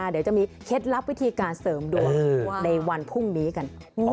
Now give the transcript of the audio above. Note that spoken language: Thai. เดี๋ยวจะมีเคล็ดลับวิธีการเสริมดวงในวันพรุ่งนี้กัน